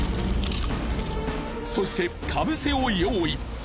そしてかぶせを用意。